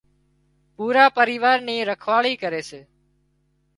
پورا پريوار ني رکواۯي ڪري سي